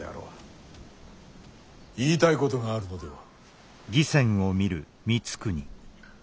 言いたいことがあるのでは？